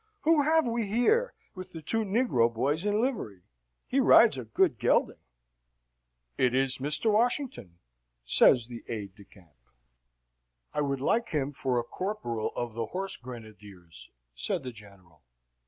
Who have we here, with the two negro boys in livery? He rides a good gelding." "It is Mr. Washington," says the aide de camp. "I would like him for a corporal of the Horse Grenadiers," said the General.